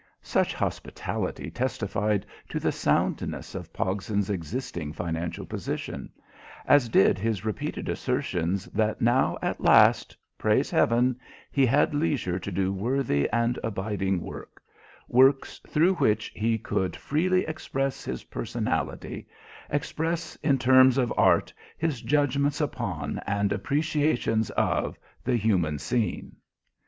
Such hospitality testified to the soundness of Pogson's existing financial position; as did his repeated assertions that now, at last praise heaven he had leisure to do worthy and abiding work, work through which he could freely express his personality, express in terms of art his judgments upon, and appreciations of, the human scene.